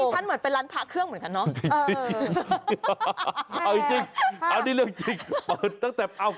ฉันเหมือนเป็นร้านพระเครื่องเหมือนกันเนาะ